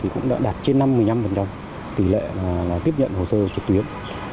cũng đã đạt trên năm mươi năm tỷ lệ tiếp nhận hồ sơ trực tuyến